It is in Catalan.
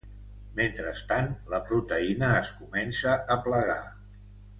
Mentrestant, la proteïna es comença a plegar.